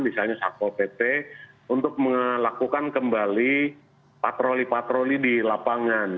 misalnya satpol pp untuk melakukan kembali patroli patroli di lapangan